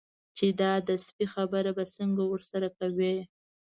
چې دا د سپي خبره به څنګه ورسره کوي.